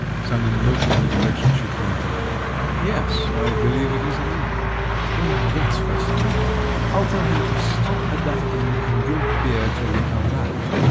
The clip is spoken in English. Sanin looked in the direction she pointed. "Yes, I believe it is an inn." "Well, that's first rate. I'll tell him to stop at that inn and drink beer till we come back."